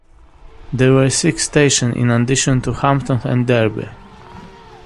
There were six stations in addition to Hampton and Derby.